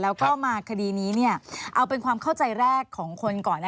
แล้วก็มาคดีนี้เอาเป็นความเข้าใจแรกของคนก่อน